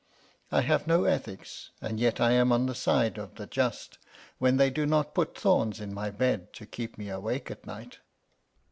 I have no ethics, and yet I am on the side of the just when they do not put thorns in my bed to keep me awake at night!"